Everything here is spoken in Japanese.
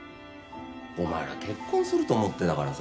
お前ら結婚すると思ってたからさ。